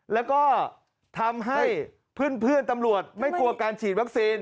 แล้วก็ทำให้เพื่อนตำรวจไม่กลัวการฉีดวัคซีน